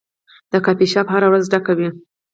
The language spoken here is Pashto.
دا کافي شاپ هره ورځ ډک وي.